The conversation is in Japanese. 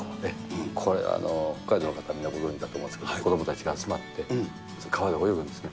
これ、北海道の方、みんなご存じだと思うんですけれども、子どもたちが集まって、川で泳ぐんですね。